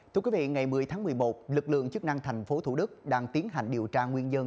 thưa quý vị ngày một mươi tháng một mươi một lực lượng chức năng tp thủ đức đang tiến hành điều tra nguyên dân